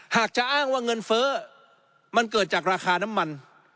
หากจะอ้างว่าเงินเฟ้อมันเกิดจากราคาน้ำมัน